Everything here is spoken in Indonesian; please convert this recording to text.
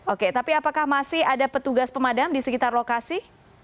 oke tapi apakah masih ada petugas pemadam di sekitar lokasi